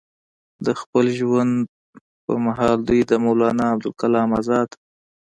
د خپل ژوند پۀ محال دوي د مولانا ابوالکلام ازاد